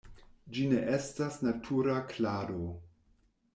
Ĝi ne estas natura klado.